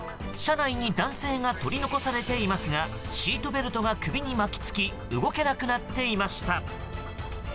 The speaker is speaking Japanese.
車内に男性が取り残されていますがシートベルトが首に巻き付き動けなくなっていました。